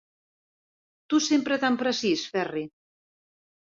Tu sempre tan precís, Ferri.